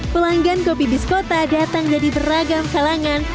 pelanggan kopi biskota datang dari beragam kalangan